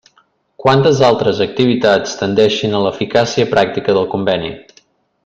Quantes altres activitats tendeixin a l'eficàcia pràctica del Conveni.